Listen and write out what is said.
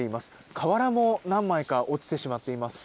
瓦も何枚か落ちてしまっています。